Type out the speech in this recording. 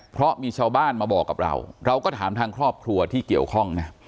เพราะมีชาวบ้านมาบอกกับเราเราก็ถามทางครอบครัวที่เกี่ยวข้องนะ